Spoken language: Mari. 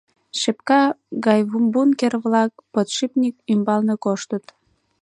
Шепка гай бункер-влак подшипник ӱмбалне коштыт.